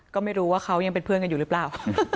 ก็ไม่รู้ว่าเขายังเป็นเพื่อนกันอยู่หรือเปล่า